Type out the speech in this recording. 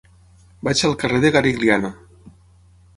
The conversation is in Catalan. Vaig al carrer de Garigliano.